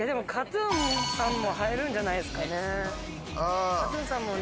ＫＡＴ−ＴＵＮさんも入るんじゃないですかね？